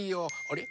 あれ？